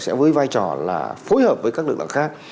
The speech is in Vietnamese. sẽ với vai trò là phối hợp với các lực lượng khác